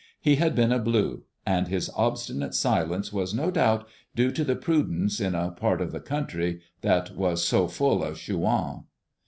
He had been a Blue; and his obstinate silence was no doubt due to prudence in a part of the country that was so full of Chouans.